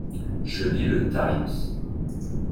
Je lis le Times.